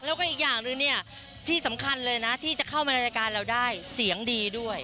แล้วก็อีกอย่างหนึ่งเนี่ยที่สำคัญเลยนะที่จะเข้ามาในรายการเราได้เสียงดีด้วย